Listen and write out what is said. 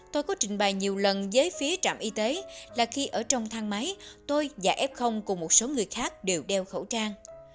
tôi có trình bày nhiều lần với phía trạm y tế là khi ở trong thang máy tôi và f cùng một số người khác đều đeo khẩu trang